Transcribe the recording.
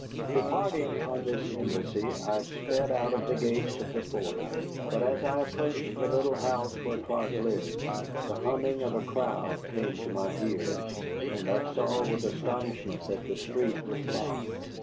Departing on this embassy, I sped out of the gates of the fort. But, as I approached the little house where Clark lived, the humming of a crowd came to my ears, and I saw with astonishment that the street was blocked.